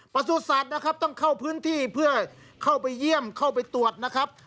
สุสัตว์นะครับต้องเข้าพื้นที่เพื่อเข้าไปเยี่ยมเข้าไปตรวจนะครับ